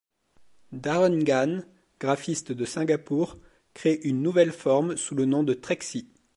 Darren Gan, graphiste de Singapour, crée une nouvelle forme sous le nom de Trexi.